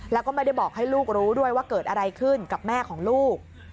แล้วก็ไม่ได้บอกให้ลูกรู้ด้วยว่าเกิดอะไรขึ้นกับแม่ของลูก